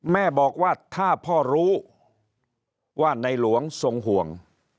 แม่บอกว่าถ้าพ่อรู้ว่าในหลวงทรงห่วง